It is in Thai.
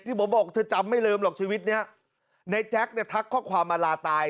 บอกเธอจำไม่ลืมหรอกชีวิตเนี้ยในแจ๊คเนี่ยทักข้อความมาลาตาย